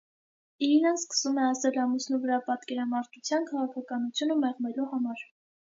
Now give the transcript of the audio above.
Իրինան սկսում է ազդել ամուսնու վրա պատկերամարտության քաղաքականությունը մեղմելու համար։